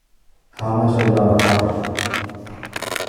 How much are you out of pocket?